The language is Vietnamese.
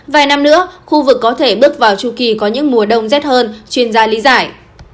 vài năm nữa khu vực có thể bước vào chu kỳ có những mùa đông rét hơn chuyên gia lý giải